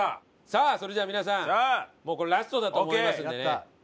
さあそれじゃあ皆さんもうこれラストだと思いますんでね。